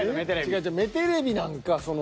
違う違う目テレビなんか。